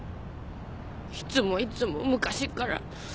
いつもいつも昔っから。